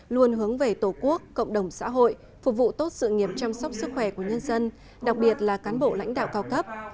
luôn hướng về tổ quốc cộng đồng xã hội phục vụ tốt sự nghiệp chăm sóc sức khỏe của nhân dân đặc biệt là cán bộ lãnh đạo cao cấp